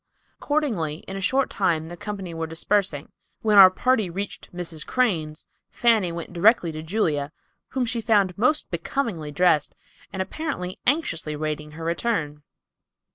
Accordingly in a short time the company were dispersing. When our party reached Mrs. Crane's, Fanny went directly to Julia, whom she found most becomingly dressed, and apparently anxiously awaiting her return.